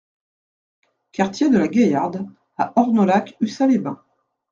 Quartier de la Gaillarde à Ornolac-Ussat-les-Bains